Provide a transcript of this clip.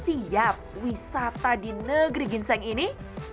siap wisata di negeri ginseng ini